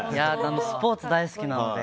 スポーツ大好きなので。